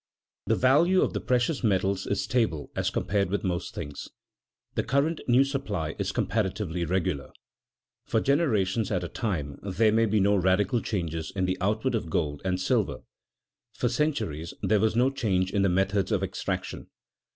The value of the precious metals is stable as compared with most things. The current new supply is comparatively regular. For generations at a time there may be no radical changes in the output of gold and silver. For centuries there was no change in the methods of extraction.